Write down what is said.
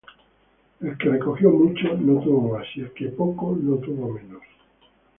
El que recogió mucho, no tuvo más; y el que poco, no tuvo menos.